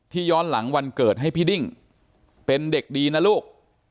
ย้อนหลังวันเกิดให้พี่ดิ้งเป็นเด็กดีนะลูก